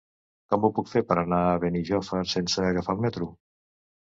Com ho puc fer per anar a Benijòfar sense agafar el metro?